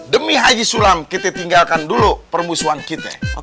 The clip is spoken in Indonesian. demi haji sulam kita tinggalkan dulu permusuhan kita